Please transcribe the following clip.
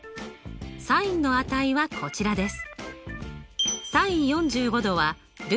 ｓｉｎの値はこちらです。